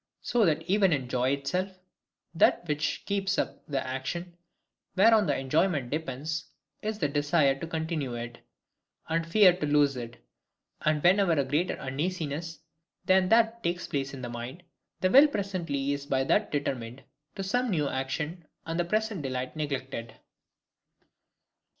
So that even in joy itself, that which keeps up the action whereon the enjoyment depends, is the desire to continue it, and fear to lose it: and whenever a greater uneasiness than that takes place in the mind, the will presently is by that determined to some new action, and the present delight neglected.